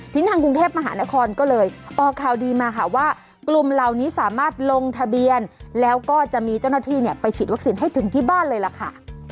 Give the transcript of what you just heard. ทีนี้ทางกรุงเทพมหานครก็เลยออกข่าวดีมาค่ะว่ากลุ่มเหล่านี้สามารถลงทะเบียนแล้วก็จะมีเจ้าหน้าที่ไปฉีดวัคซีนให้ถึงที่บ้านเลยล่ะค่ะ